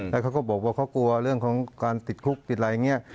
แล้วเขาก็บอกว่าเขากลัวเรื่องของการติดคุกติดอะไรอย่างนี้